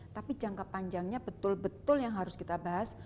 tapi jangka panjangnya betul betul yang harus kita bahas